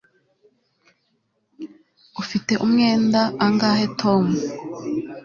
ufite umwenda angahe tom